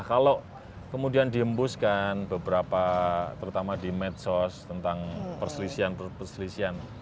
kalau kemudian diembuskan beberapa terutama di medsos tentang perselisihan perselisihan